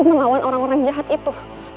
melawan orang orang jahat itu